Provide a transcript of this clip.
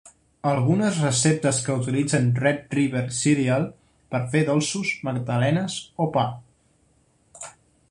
Algunes receptes que utilitzen "red river cereal" per fer dolços, magdalenes o pa.